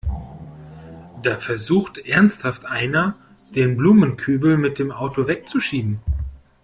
Da versucht ernsthaft einer, den Blumenkübel mit dem Auto wegzuschieben!